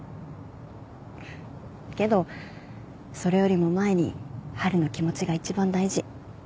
けどそれよりも前に春の気持ちが一番大事。